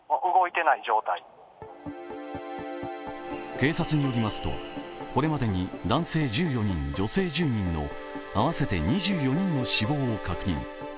警察によりますと、これまでに男性１４人女性１０人の合わせて２４人の死亡を確認。